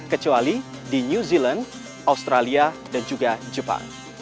kecuali di new zealand australia dan juga jepang